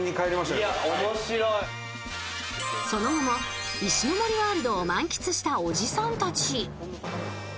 その後も、石ノ森ワールドを満喫したおじさんたち。